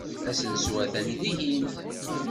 Asensu atan dihin.